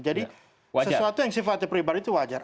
jadi sesuatu yang sifatnya pribadi itu wajar